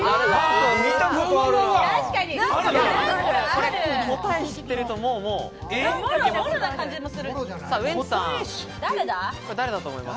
これ答え知ってると、もういけます！